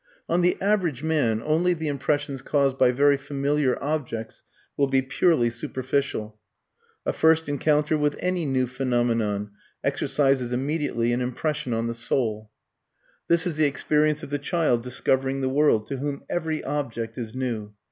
On the average man only the impressions caused by very familiar objects, will be purely superficial. A first encounter with any new phenomenon exercises immediately an impression on the soul. This is the experience of the child discovering the world, to whom every object is new.